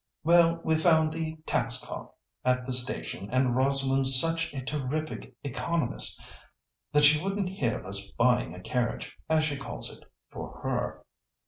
"Well, we found the tax cart at the station, and Rosalind's such a terrific economist that she wouldn't hear of us buying a carriage, as she calls it, for her.